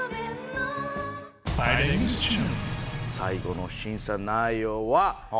最後の審査内容はおお。